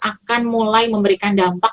akan mulai memberikan dampak